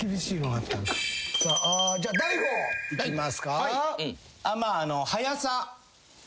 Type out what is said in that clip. じゃあ大悟いきますか。